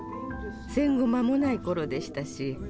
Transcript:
戦後間もない頃でしたし